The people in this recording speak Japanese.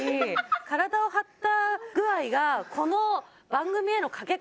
体を張った具合がこの。